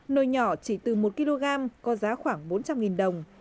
nôi nhỏ chỉ từ một kg có giá khoảng bốn trăm linh đồng